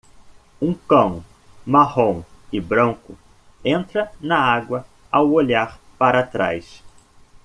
Um cão marrom e branco entra na água ao olhar para trás.